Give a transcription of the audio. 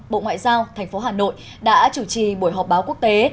bộ ngoại giao tp hà nội đã chủ trì buổi họp báo quốc tế